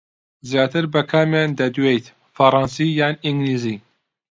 زیاتر بە کامیان دەدوێیت، فەڕەنسی یان ئینگلیزی؟